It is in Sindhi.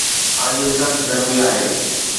اڄ سخت گرمي آهي